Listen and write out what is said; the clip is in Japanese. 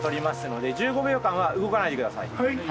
はい。